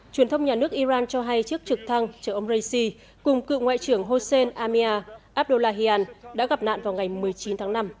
truyền thông nhà nước iran cho hay chiếc trực thăng chở ông raisi cùng cựu ngoại trưởng hossein amia abdullahian đã gặp nạn vào ngày một mươi chín tháng năm